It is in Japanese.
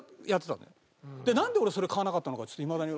なんで俺それ買わなかったのかいまだに。